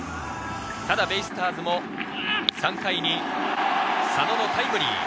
ベイスターズも３回に佐野のタイムリー。